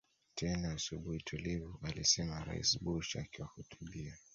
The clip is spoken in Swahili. tena asubuhi tulivu alisema Rais Bush akiwahutubia